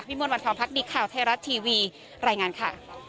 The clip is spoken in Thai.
มวลวันธรรมพักดีข่าวไทยรัฐทีวีรายงานค่ะ